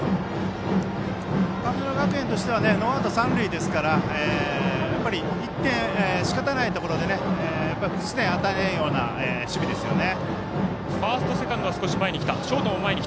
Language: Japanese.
神村学園としてはノーアウト、三塁ですから１点、しかたないところで複数点を与えないような守備ですよね。